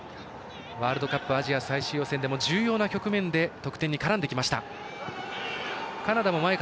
ワールドカップアジア最終予選でも重要な局面で得点に絡んできました。